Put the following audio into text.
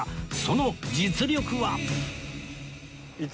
その実力は